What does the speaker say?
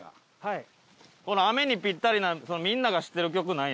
この雨にぴったりなみんなが知ってる曲ない？